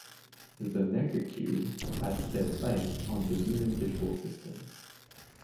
The Necker cube has shed light on the human visual system.